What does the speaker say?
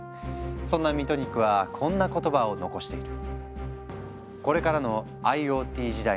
そんなミトニックはこんな言葉を残している。